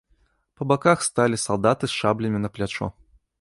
Па баках сталі салдаты з шаблямі на плячо.